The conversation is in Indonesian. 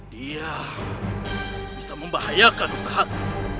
dia bisa membahayakan usahaku